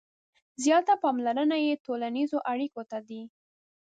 • زیاته پاملرنه یې ټولنیزو اړیکو ته ده.